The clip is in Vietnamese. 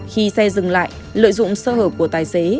khi xe dừng lại lợi dụng sơ hợp của tài xế